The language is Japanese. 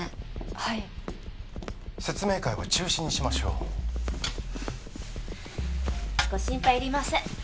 はい説明会は中止にしましょうご心配いりません